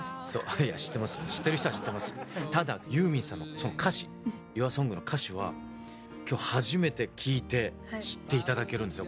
ただ、ユーミンさんの歌詞「ＹｏｕｒＳｏｎｇ」の歌詞は今日初めて聞いて知っていただけるんでしょ？